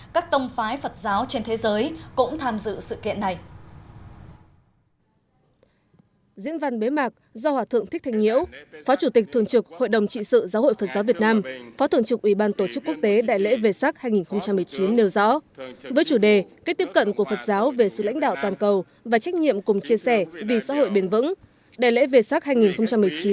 các tông phái phật giáo trên thế giới cũng tham dự sự kiện này